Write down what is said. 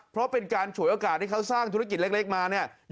เพราะเป็นการฉวยโอกาสที่เขาสร้างธุรกิจเล็กมาเนี่ย